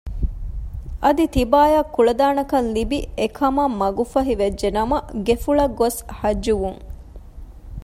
އަދި ތިބާއަށް ކުޅަދާނަކަން ލިބި އެ ކަމަށް މަގު ފަހި ވެއްޖެ ނަމަ ގެފުޅަށް ގޮސް ޙައްޖުވުން